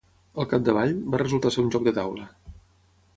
Al capdavall, va resultar ser un joc de taula.